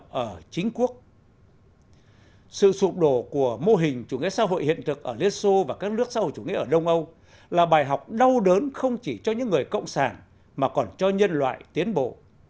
chủ nghĩa xã hội và cuộc đấu tranh rộng ở chính quốc sự sụp đổ của mô hình chủ nghĩa xã hội hiện thực ở liên xô và các nước xã hội chủ nghĩa ở đông âu là bài học đau đớn không chỉ cho những người cộng sản mà còn cho nhân loại tiến bộ